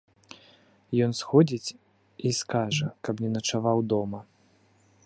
Ён сходзіць і скажа, каб не начаваў дома.